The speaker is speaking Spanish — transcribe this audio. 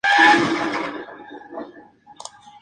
כְּרוּבִים, Ing. trans "kərūv", pl.